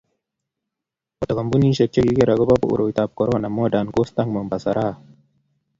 Boto Kampunisiek che kiker akobo koroitab korona Modern coast ak Mombasa Raha